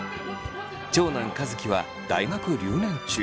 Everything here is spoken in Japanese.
長男和樹は大学留年中。